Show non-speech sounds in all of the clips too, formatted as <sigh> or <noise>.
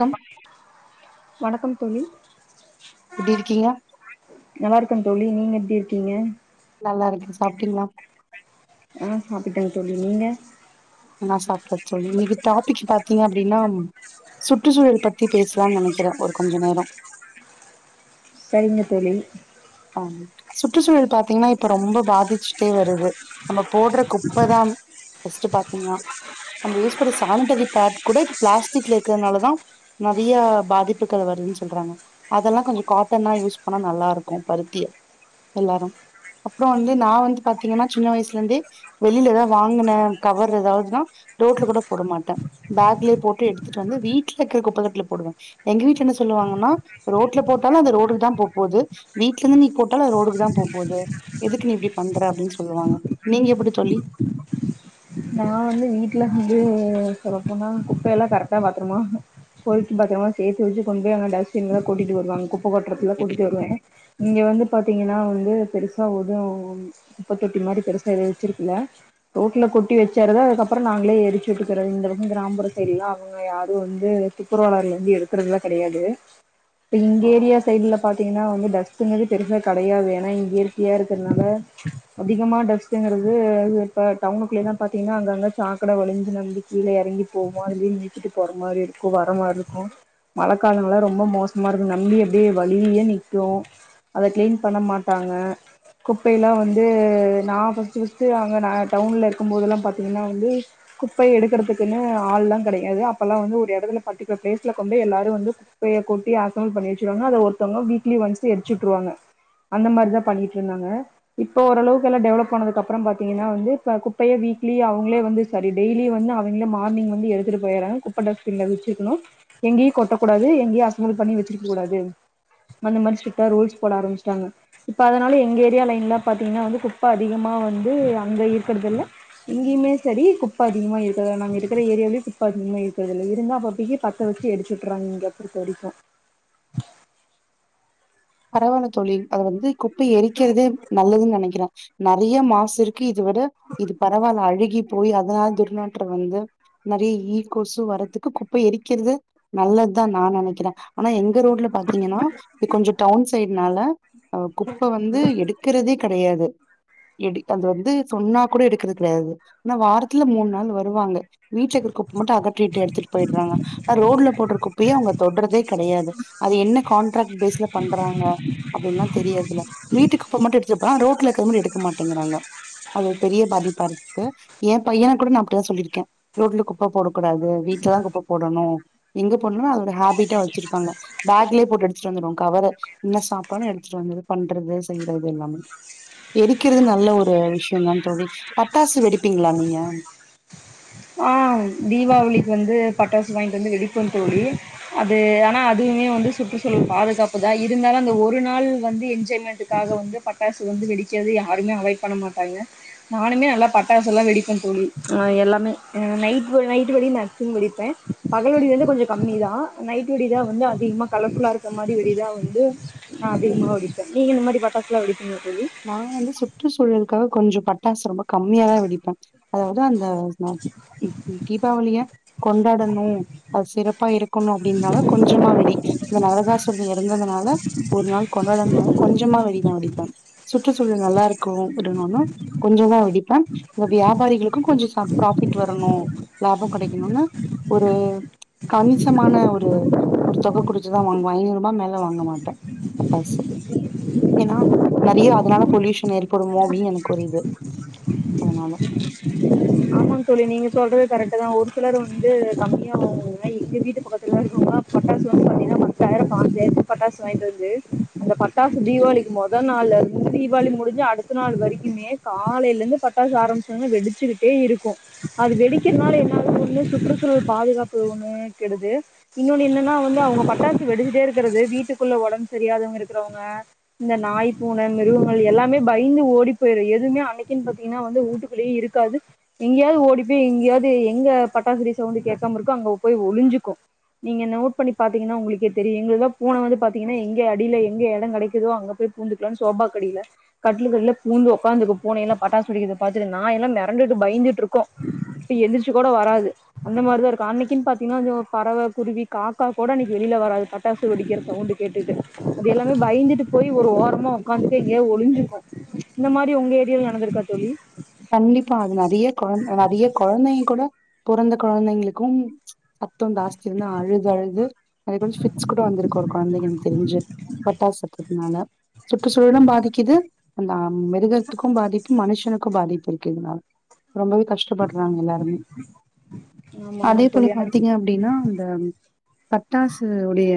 come வணக்கம் தோழி எப்டி இருக்கீங்க நல்லா இருக்கேன் தோழி நீங்க எப்டி இருக்கீங்க நல்லா இருக்கே சாப்பிட்டீங்களா ஆ சாப்பிட்டேங்க தோழி நீங்க நான் சாப்டாச்சி தோழி இன்னைக்கு டாபிக் பாத்தீங்க அப்படின்னா சுற்றுச்சூழல் பத்தி பேசலாம்னு நினைக்கிறேன் ஒரு கொஞ்ச நேரம் சரிங்க தோழி ஆமா சுற்றுச்சூழல் பாத்தீங்கன்னா இப்ப ரொம்ப பாதிச்சுட்டே வருது நம்ம போடுற குப்பதான் ஃபஸ்டு பாத்தீங்கனா நம்ம யூஸ் பண்ற சானிட்டரி பேக் கூட இ பிளாஸ்டிக்ல இருக்கிறதுனாலதான் நெறையா பாதிப்புகள் வருதுன்னு சொல்றாங்க அதெல்லாம் கொஞ்சம் காட்டனா யூஸ் பண்ணா நல்லா இருக்கும் இருக்கும் பருத்திய எல்லாரும் அப்புறம் வந்து நான் வந்து பாதீங்கன்னா சின்ன வயசுல இருந்தே வெளியில ஏதாவது வாங்கின கவர் ஏதாவதுன்னா ரோட்ல கூட போட மாட்டேன் பேக்லயே போட்டு எடுத்துட்டு வந்து வீட்டுல இருக்கிற குப்பதொட்டில போடுவேன் எங்க வீட்ல என்ன சொல்லுவாங்கன்னா ரோட்ல போட்டாலும் அந்த ரோடுக்கு தான் போ போது வீட்டு்ல இருந்து நீ போட்டாலும் அது ரோடுக்கு தான் போது எதுக்கு நீ இப்டி பண்ற அப்படின்னு சொல்லுவாங்க நீங்க எப்படி சொல்லி நான் வந்து வீட்டுல வந்து சொல்லப்போனா குப்பைையெல்லாம் கரெக்டா பாத்துருமா போயிட்டு பாத்தரமா சேத்து வச்சு கொண்டு போய் அங்க டஸ்ட்பின்ல கொட்டிட்டு வருவாங்க குப்பை கொட்டுறத்துல கூட்டிட்டு வருவே இங்கே வந்து பாத்தீங்கன்னா வந்து பெருசா எதும் குப்பத்தொட்டி மாதிரி பெருசாக எதுவும் வச்சிருக்குல ரோட்டல கொட்டி வச்சு சிறத அதுக்கப்புறம் நாங்களே எரிச்சு விட்டுக்கிறது இந்த பக்கம் கிராமப்புற சைடலாம் அவங்க யாரும் வந்து தப்புரவளார்லா இருந்து எடுத்துறதுலாம் கிடையாது இப்ப இங்கே ஏரியா சைட்ல பாத்தீங்கன்னா வந்து டஸ்ட்னது பெருசாக கடையாது வேணா இங்கே க்ளியரா இருக்கிறதுனால அதிகமா டஸ்டுங்கிறது இப்ப டவுனுக்குள்ளேயே தான் பாத்தீங்ன்னா அங்கங்க சாக்கட வழிஞ்சி நெழ்ஞ்சி கீழ எறங்கி போ மார் அதுல ஏறி மிதிச்சுட்டு போற மாரி இருக்கு வர மார்ருக்கு மழ காலங்கள்லா ரொம்ப மோசமா இருக்குங்க தண்ணி அப்டியே வழிலியே நிக்கு அத க்ளீன் பண்ண மாட்டாங்க குப்பைலா வந்து நா ஃபஸ்ட்டு ஃபஸ்ட்டு அங்க நா டவுன்ல இருக் கும்போதெல்லா பாத்தீங்ன்னா வந்து குப்பைய எடுக்கறதுக்குன்னு ஆள்லா கெடையாது அப்பெல்லா வந்து ஒரு எடத்துல பர்டிகுலர் ப்ளேஸ்ல கொண்டோய் எல்லாரு வந்து குப்பைய கொட்டி அசம்பல் பண்ணி வச்சிருவாங்க அத ஒருத்தவ்ங்க வீக்லி ஒன்ஸ் போய் எரிச்சுட்ருவாங்க அந்த மாரிதா பண்ணீட்ருந்தாங்க இப்ப ஓரளவுக்கு எல்லா டெவலப் ஆனதுக்கப்றோ பாத்தீங்கன்னா வந்து இப்ப குப் பைய வீக்லி அவுங்ளே வந்து சாரி டெய்லி வந்து அவுங்ளே மார்னிங் வந்து எடுத்துட்டு போயறாங்க குப்ப டஸ்ட்பின்ல வெச்சுக்கணு எங்கயு கொட்டக் கூடாது எங்கயு அசம்பல் பண்ணி வெச்சிருக்கக் கூடாது அந்த மாரி ஸ்ட்ரிட்டா ரூல்ஸ் போட ஆரம்மிஸ்ட்டாங்க இப்ப அதனால எங்க ஏரியா லைன்லா பாத்தீங்கன்னா வந்து குப்ப அதிகமா வந்து அங்க இருக்கறதில்ல இங்கயுமே சரி குப்ப அதிகமா இருக்கற்ல்ல நாங்க இருக்கற ஏரியாவ்லே குப்ப அதிகமா இருக்கற்தில்ல இருந்தா அப்பப்பைக்கி ப த்த வெச்சி எரிச்சுட்றாங்க இங்க பொறுத்தவரைக்கு பரவால்ல தோழி அத வந்து குப்பை எரிக்கிறதே நல்லதுன் நெனைக்கிறே நெறையா மாசு இரு க்கு இது வுட இது பரவால்ல அழுகி போய் அதனால் துர்நாற்றம் வந்து நெறைய ஈ, கொசு வரத்துக்கு குப்பைய எரிக்கிறது நல்லத் தா நா நெனைக்கிறே ஆனா எங்க ரோட்ல பாத்தீங்கன்னா இது கொஞ்ச ற்னால அ குப்ப வந்து எடுக்கறதே கெடையாது எடு அது வந்து சொன்னா கூட எடுக்கற்த் கெடையாது ஆனா வாரத்துல மூண் நாள் வருவாங்க வீட்ல இருக்க குப்ப மட்டு அகற்றீட்டு எடுத்துட்டு போயட்றாங்க அ ரோட்ல போட்ற குப்பைய அவுங்க தொட்றதே கெடையாது அது என்ன கான்ட்ராக்ட் பேஸ்ல பண்றாங்க அப்டின்ல்லா தெரியற்தில்ல வீட்டு குப்ப மட்டு எடுத்துட் போறாங் ரோட்ல இருக்கற்த் மட்டு எடுக்க மாட்டேங்கிறாங்க அது ஒரு பெரிய பாதிப்பா இருக்கு எ பையன கூட நா அப்டிதா சொல்லிருக்கே ரோட்ல குப்ப போடக்கூடாது வீட்லதா குப்ப போடணு எங்க போனாலு அது ஒரு ஹேபிட்டா வச்சிருக்காங்க பேக்லே போட்டு எடுத்துட்டு வந்துருவாங் கவரு இன்ன சாப்ட்டாலு எடுத்துட்டு வந்தது பண்றது செய்றது எல்லாமே எரிக்கிறது நல்ல ஒரு விஷ்யந்தா தோழி பட்டாசு வெடிப்பீங்ளா நீங்க அ தீபாவளிக்கு வந்து பட்டாசு வாய்ங்ட் வந்து வெடிப்போ தோழி அது ஆனா அதுமே வந்து சுற்றுச்சூழல் பாதுகாப்பு தா இருந்தாலு அந்த ஒரு நாள் வந்து என்ஜாய்மெண்ட்டுக்காக வந்து பட்டாசு வந்து வெடிக்கற்து யாருமே அவாய்ட் பண்ண மாட்டாங்க நானுமே நல்லா பட்டாசெல்லா வெடிப்பே தோழி ஆ எல்லாமே ம் நைட் வ நைட்டு வெடி மேக்சிமம் வெடிப்பே பகல் வெடி வந்து கொஞ்ச கம்மி தா அ நைட்டு வெடிதா வந்து அதிகமா கலர்ஃபுல்லா இருக்கற் மாரி வெடி தா வந்து நா அதிகமா வெடிப்பே நீங்க இந்த மாரி பட்டாஸ்லா வெடிப்பீங்ளா தோழி நா வந்து சுற்றுச்சூழல்க்காக கொஞ்சோ பட்டாசு ரொம்ப கம்மியாதா வெடிப்ப அதாவ்து அந்த ந ம் ம் தீபாவளிய கொண்டாடணு அது சிறப்பா இருக் க்கணு அப்டின்னால கொஞ்சமா வெடி இந்த நரகாசுரன் இறந்ததுனால ஒரு நாள் கொண்டாடணுன் கொஞ்சமா வெடிதா வெடிப்பே சுற்றுச்சூழல் நல்லா இருக்கு விடணுனு கொஞ்சந்தா வெடிப்பே இந்த வியாபாரிகளுக்கு கொஞ்ச சாப் ப்ராஃபிட் வரணு லாபோ கெடைக்கணுனு ஒரு கணிசமான ஒரு ஒரு தொக குடுத்து தா வாங்குவோ ஐந்நூற்ருபா மேல வாங்க மாட்டோ பட்டாசு ஏனா நெறைய அதுனால பொல்யூஷன் ஏற்படுமோ அப்டீன் எனக்கொரு இது அதுனால மாங் தோழி நீங்க சொல்றது கரெக்ட்டு தா ஒரு சிலர் வந்து கம்மியா வாங்குவாங்க எங்க வீட்டு பக்கத்துல இருக்கவுங்லா பட்டாசு வந்து பாத்தீங்ன்னா பத்தாய்ரோ பாஞ்சாய்ரத்துக் பட்டாஸ் வாய்ங்ட் வந்து அந்த பட்டாசு தீபாவளிக்கு மொ மொத நாள்லருந்து தீபாவளி முடுஞ்சு அடுத்த நாள் வரிக்குமே காலைல இர்ந்து பட்டாசு ஆரம்பிச் <unintelligible> வெடிச்சுக்கிட்டே இருக் க்கும் அது வெடிக்கிறனால என்னா <unintelligible> சுற்றுச்சூழல் பாதுகாப்பு ஒன்னு கெடுது இன்னொன்னு என்னன்னா வந்து அவுங்க பட்டாசு வெடிச்சுட்டே இருக்குறது வீட்டுக்குள்ள ஒடம்பு சரியாதவங்க இருக்குறவங்க இந்த நாய் பூன மிருகங்கள் எல்லாமே பய்ந்து ஓடி போயிரு எதுவுமே அன்னைக்குன் பாத்திங்கன்னா வந்து வுட்டு குள்ளயே இருக்காது எங்கேயாது ஓடி போய் எங்கேயாது எங்க பட்டாசு‌ வெடி சவுண்டு கேட்காம இருக்கோ அங்க போய் ஒளுஞ்சுக்கு நீங்க நோட் பண்ணி பாத்திங்கன்னா உங்களுக்கே தெரியு எங்கெல்லா பூன வந்து பாத்தீங்கன்னா எங்க அடியில எங்க எடொ கெடைக்குதோ அங்க போய் பூந்துட்டு சோபாக்கு அடியில கட்டுலுக்கு‌ அட்ல பூந்து ஒக்காந்துக்கு பூனை எல்லா பட்டாசு வெடிக்கிறத பாத்து நாய்‌ எல்லா மெரண்டு பயந்துட்டு இருக்கு ப்ப எந்திர்ச்சு கொட வராது அந்த மாரிதா இருக்கு அன்னக்கின் பாத்திங்னா இந்த பறவ குருவி காக்கா கோட அன்னக்கி வெளில வராது பட்டாசு வெடிக்கிற சவுண்டு கேட்டுட்டு அது எல்லாமே பயந்துட்டு போய் ஒரு ஓரமா ஒக்காந்துட்டு எங்கயது ஒளுஞ்சுக்கு இந்த மாரி ஒங்க ஏரியால நடந்துருக்கா தோழி கண்டிப்பா அது நெறைய கொழந் நெறைய கொழந்தைங்க கொட பொறந்த கொழந்தைங்ளுக்கும் சத்தொ ஜாஸ்தி வந்து அழுது அழுது அதே போல ஃபிக்ஸ் கூட வந்துருக்கு ஒரு கொழந்தைக்கி எனக்கு தெருஞ்சு பட்டாசு சத்ததுனால சுற்றுச்சூழலு பாதிக்குது அந்த மிருகத்துக்கு பாதிப்பு மனுஷனுக்கு பாதிப்பு இருக்குங்ளா ரொம்பவே கஷ்டப்படுறாங்க எல்லாருமே ஆமாமா அதே போல தோழி அது பாத்திங்க அப் அப்டின்னா அந்த பட்டாசு உடைய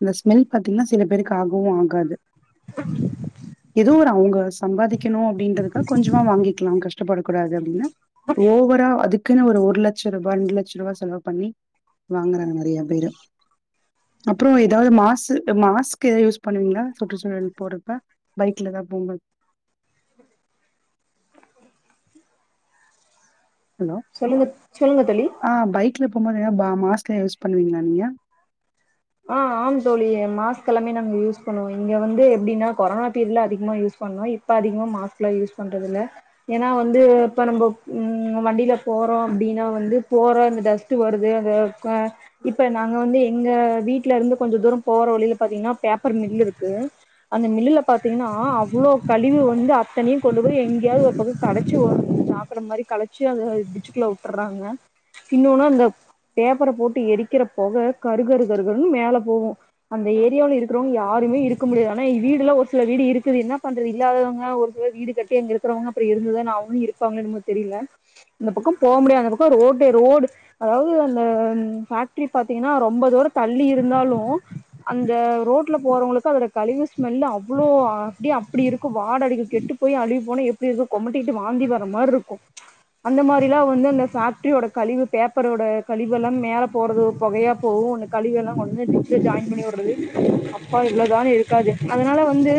அந்த ஸ்மெல் பத்தினா சில பேருக்கு ஆகவு ஆகாது எதோ ஒரு அவுங்க சம்பாதிக்கணு அப்டின்றதுக்கா கொஞ்சொமா வாங்கி க்லா கஷ்டப்படக்கூடாது அப்டின்னு ஓவரா அதுக் க்குன்னு ஒரு லெட்ச ருபா ரெண்டு லெட்ச ருவா செலவு பண்ணி வாங்குறாங்க நெறைய பேரு அப்பறொ ஏதாவது மாஸு மாஸ்க் எதா யூஸ் பண்ணுவிங்ளா சுற்றுச்சூழல் போறப்ப பைக்ல தா போம்போது ஹலோ சொல்லுங்க சொல்லுங்க தோழி அ பைக்ல போம்போது ப மாஸ்க் யூஸ் பண்ணுவீங்ளா நீங்க அ ஆம் தோழி மாஸ்க் எல்லாமே நாங்க யூஸ் பண்ணுவோ இங்க வந்து எப்டின்னா கொரோனா பீரியட்ல அதிகமா யூஸ் பண்ணோ இப்போ அதிகமாக மாஸ்க்லா யூஸ் பண்றதில்ல ஏன்னா வந்து இப்ப நம்ப ம் வண்டில போறோ அப்டின்னா வந்து போற அந்த டஸ் டு வருது அது கொ இப்ப நாங்க வந்து எங்க வீட்ல இருந்து கொஞ்சொ தூரோ போற வழில பத்திங்கன்னா பேப்பர் மில்லு இருக்கு அந்த மில்லுல பாத்திங்கன்னா அவ்ளோ கழிவு வந்து அத்தனையு கொண்டு போய் எங்கேயாது ஒரு <unintelligible> <unintelligible> மாரி கலச்சு அத டிச்சுக்குள்ள வுட்டுறாங்க இன்னொன்னு அந்த பேப்பர போட்டு எரிக்கிற பொக கருகரு கருகருன்னு மேல போகு அந்த ஏரியாவுல இருக்றவங் யாருமே இருக்க முடியாது ஆனா வீடுலா ஒரு சில வீடு இருக்குது என்ன பண்றது இல்லாதவங்க ஒரு சில வீடு கட்டி அங்க இருக்குறவங்க அப்பறொ இருந்ததுதான ஆவனு இருப்பாங்களோ என்னமோ தெரியல அந்த பக்கொ போ முடியாது அந்த பக்கோ ரோட்டே ரோடு அதாவது அந்த ஃபேக்ரி பாத்திங்ன்னா ரொம்ப தூரோ தள்ளி இருந்தாலு அந்த ரோட்ல போறவங்களுக்கு அதோட கழிவு ஸ்மெல்லு அவ்ளோ அப்டியே அப்டி இருக்கு வாட அடிக்கு கெட்டு போய் அழுகி போனா எப்டி இருக்கு கொமட்டிட்டு வாந்தி வர்ற மாரி இருக்கு அந்த மாரிலா வந்து அந்த ஃபேக்ட்ரியோட கழிவு பேப்பரோட கழிவெல்லா மேலே போறது பொகையா போகு கழிவெல்லா கொண்டு டிச்ல ஜாயின் பண்ணி விடுறது அப்ப இவ்ளோதானு இருக்காது அதுனால வந்து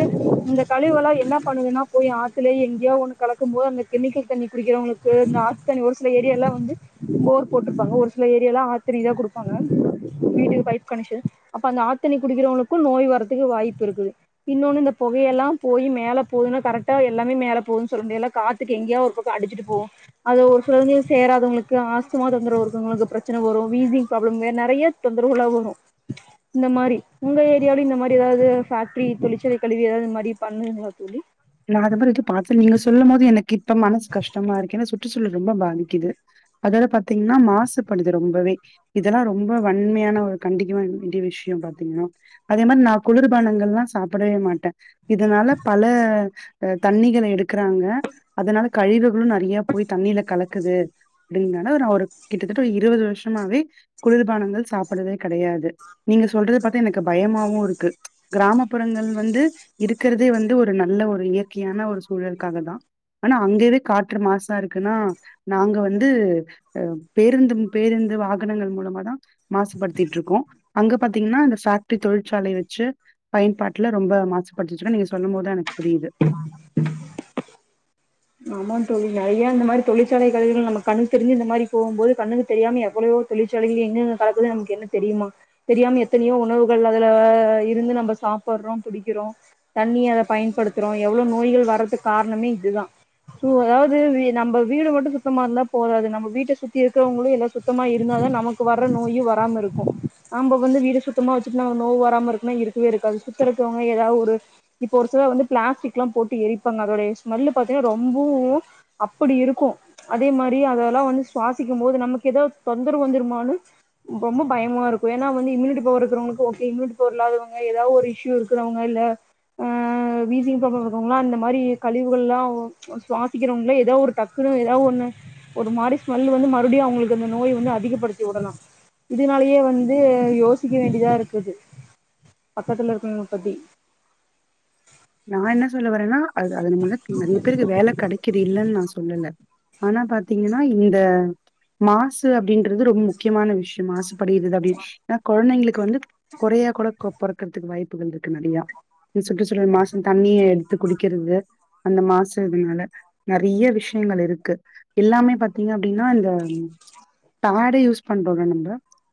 இந்த கழிவல்லா என்ன பண்ணுதுன்னா போய் ஆத்துலய் எங்யோ ஒன்னு கலக்கும்போது அந்த கெமிக்கல் தண்ணி குடிக்கிறவங்களுக்கு கு இந்த ஆத்து தண்ணீ ஒரு சில ஏரியால்லா வந்து போர் போட்டிருப்பாங்க ஒரு சில ஏரியாலா ஆத்து தண்ணீதா குடுப்பாங்க மே பி பைப் கனெக்ஷன் அப்ப அந்த ஆத்து தண்ணி குடிக்கிறவங்களுக்கு நோய் வர்றதுக்கு வாய்ப்பு இருக்குது இன்னொன்னு இந்த புகையெல்லாம் போய் மேல போகுதுன்னா கரெக்டா எல்லாமே மேலே போகுன்னு சொல்ல முடியாதில்ல கா த்துக்கு எங்யா ஒரு பக்கோ அடிச்சிட்டு போகு அது ஒரு சிலவங்களுக்கு சேராதவங்களுக்கு ஆஸ்துமா தொந்தரவு இருக்கவங்களுக்கு பிரச்சன வரும் வீசிங் ப்ராப்ளம் வே நெறைய தொந்தரவல்லா வரு இந்த மாரி உங்க ஏரியாவுல இந்த மாரி எதாவது ஃபேக்டரி தொழிற்சாலை கழிவு எதாவது இது மாரி பண்ணுவீங்லா தோழி நா அது மாரி எதும் பாத்ததில்ல நீங்க சொல்லும்போது எனக்கு இப்ப மனசு கஷ்டமா இருக்கு ஏனா சுற்றுச்சூழல் ரொம்ப பாதிக்குது அதாது பாத்தீங்கன்னா மாசுபடுது ரொம்பவே இதெல்லா ரொம்ப வன்மையான ஒரு கண்டிக்க வேண்டிய விஷ்யம் பாத்தீங்கன்னா அதே மாரி நா குளிர்பானங்கல்லா சாப்டவே மாட்ட இதனால பல ஆ தண்ணிகள எடுக்கறாங்க அதனால கழிவுகளு நெறையி போய் தண்ணீல கலக்குது அப்டிங்கனால நா ஒரு கிட்டத்தட்ட ஒரு இருவது வருஷமாவே குளிர்பானங்கள் சாப்டறதே கெடையாது நீங்க சொல்றது பாத்தா எனக்கு பயமாவு இருக்கு கிராமப்புறங்கள் வந்து இருக்கறதே வந்து ஒரு நல்ல ஒரு இயற்கையான ஒரு சூழலுக்காகதா ஆனா அங்கெது காற்று மாசா இருக்குனா நாங்க வந்து அ பேருந்து பேருந்து வாகனங்கள் மூலமாதா மாசுபடுத்திட்டு இருக்கோ அங்க பாத்தீங்கன்னா இந்த ஃபேக்டரி தொழிற்சாலைய வெச்சு பயன்பாட்ல ரொம்ப மாசுபட்டுச்சினா நீங்க சொல்லும்போதா எனக்கு புரிது ஆஹ் ஆமாந் தோழி நெறையா இந்த மாரி தொழிற்சாலை கழிவுகள் நம்ம கண்ணு தெரிஞ்சு இந்த மாரி போகும்போது கண்ணுக்கு தெரியாம எவ்ளவோ தொழிற்சாலைகள் எங்கெங்க கலக்குதுன் நமக்கு என்ன தெரிமா தெரியாம எத்தனையோ உணவுகள் அதுல இருந்து நம்ம சாப்பறோ புடிக்கிறோ தண்ணிய அத பயன்படுத்துறோ எவ்ளோ நோய்கள் வர்றதுக்கு காரணமே இதுதா சோ அதாவது வீ நம்ம வீடு மட்டும் சுத்தமா இருந்தா போதாது நம்ம வீட்ட சுத்தி இருக்கறவங்களு எல்லா சுத்தமா இருந்தாதா நமக்கு வர்ர நோயு வராம இருக்கு நாம வந்து வீடு சுத்தமா வெச்சுட்டு நோவு வராம இருக்குன்னா இரு இருக்காது சுத்தறக்கு அவுங்க எதா ஒரு இப்ப ஒரு சில வந்து பிளாஸ்டிக் எல்லாம் போட்டு எரிப்பாங்க அதோடைய ஸ்மெல்லு பாத்தீங்கன்னா ரொம்பவு அப்படி இருக்கு அதே மாரி அதெல்லா வந்து சுவாசிக்கும்போது நமக்கு எதாவது தொந்தரவு வந்துருமானு ரொம்ப பயமா இருக்கு ஏனா வந்து இம்யூனிட்டி பவர் இருக்கறவளுக்கு ஓகே இம்யூனிட்டி பவர் இல்லாதவங்க எதா ஒரு இஷ்யூ இரு இருக்கறவங்க இல்ல ஆ வீசிங் ப்ராப்ளம் இருக்கறவங்கல்லா இந்த மாரி கழிவுகள்ளா சுவாசிக்கிறவங்கல்லா எதோ ஒரு டக்குன்னு எதா ஒண்ணு ஒரு மாரி ஸ்மெல் வந்து மறுபடியு அவங்ளுக் அந்த நோய் வந்து அதிகப்படுத்தி விடனு இதனாலயே வந்து யோசிக்க வேண்டிதா இருக்குது பக்கத்துல இருக்கறவங்ள பத்தி நா என்ன சொல்ல வர்றன்னா அது அதன் மூலோ நெறையா பேருக்கு வேல கெடைக்குது இல்லன் நா சொல்லல்ல ஆனா பாத்தீங்ன்னா இந்த மாசு அப்டின்றது ரொம்ப முக்கியமான விஷ்யோ மாசு படியிறது அப்டி அ கொழந்தைங்ளுக்கு வந்து கொறையா கூட க்கு கொப்பறத்துக்க வாய்ப்புகள் இருக்கு நெறையா சுற்றுச்சூழல் மாசு தண்ணிய எடுத்து குடிக்கறது அந்த மாசு இதுனால நெறையா விஷ்யங்கள் இருக்கு எல்லாமே பாத்தீங்க அப்டின்னா இந்த தாடை யூஸ் பண்றோல்ல நம்ப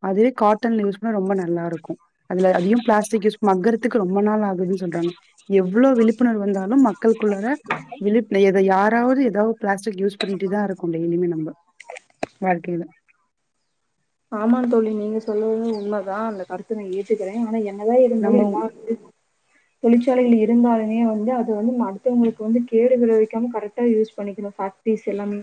அதுவே காட்டன்ல யூஸ் பண்ணா ரொம்ப நல்லாருக்கு அதுல அதையும் பிளாஸ்டிக் யூஸ் பணா மக்கறத்துக்கு ரொம்ப நாள் ஆகுது சொல்றாங்க எவ்ளோ விழிப்புணர்வு வந்தாலு மக்களுக்குள்ளார விழிப் எ எத யாராவது எதா பிளாஸ்டிக் யூஸ் பண்ணிட்டேதா இருக்கோ டெய்லியு நம்ப வாழ்க்கைல ஆமாங் தோழி நீங்க சொல்லது உண்ம தா அந்த கருத்து ந ஏத்துக்கிற ஆனா என்ன தா இருந்தாலு நம்ம எல்லார் கூடயு தொழிற்சாலையில இருந்தாலுமே வந்து அது வந்து அடுத்தவங்களுக்கு வந்து கேடு விளைவிக்காம கரெக்ட்டா யூஸ் பண்ணிக்குனு ஃபாக் ட்ரிஸ் எல்லாமே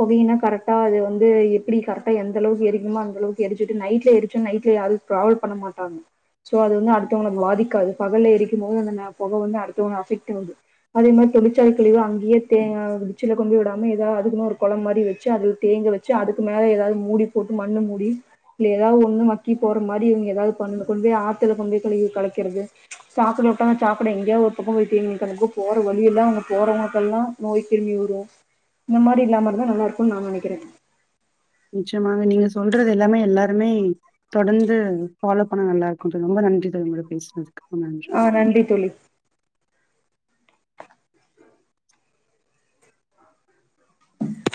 புகைனா கரெக்ட்டா அது வந்து எப்டி கரெக்ட்டா எந்த அளவுக்கு எரி ன்னா அந்த அளவுக்கு எரிச்சுட்டு நைட்ல எரிச்சு நைட்ல யாரோ ட்ராவல் பண்ண மாட்டாங் சோ அது வந்து அடுத்தவங்ள பாதிக்காது பகல்ல எரிக்கும்போது அந்த பொக வந்து அடுத்தவங்க அஃபெக்ட்டி அவ்து அதே மார் தொழிற்சாலை கழிவு அங்கயே தேங் டிச்சில கொண்டு விடாம எதா அதுக்குன்னு ஒரு கொளம் மாதி வச்சு அதுல தேங்க வச் சு அதுக்கு மேல எதாவ் மூடி போட்டு மண்ணு மூடி இல்ல எதாவ்து ஒண்ணு மக்கி போற மாரி இவங்க எதாவ்து பண்ண சொல்லி ஆத்துல கொண்டு போய் கழிவு கலைக்கிறது சாக்கட உட்டா சாக்கட எங்கயா ஒரு பக்கம் போய் தேங்கி நிக்கு அந்த பக்கோ போற வழியெல்லா அவங்க போறவங்க்களுகெல்லா நோய் திரும்பி வரு இந் மாரி இல்லாம இருந்தா நல்லாயிருக்குன் நா நெனைக்கிற நிச்சயமாக நீங்க சொல்றது எல்லாமே எல்லாருமே தொடர்ந்து ஃபாலோ பண்ண நல்லா இருக்கு தோழி ரொம்ப நன்றி தோழி உங்களுடன் பேஸ்னதுக்கு ரொம் நன்றி ஆ நன்றி தோழி